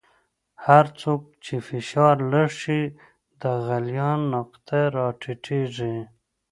هر څومره چې فشار لږ شي د غلیان نقطه را ټیټیږي.